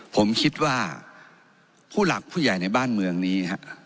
ผมคิดว่าผู้หลักผู้ใหญ่ในบ้านเมืองนี้